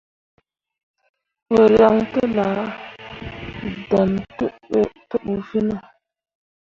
Wǝ ryaŋ tellah dan te ɓu fine ?